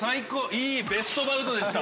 いいベストバウトでした。